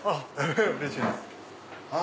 うれしいです。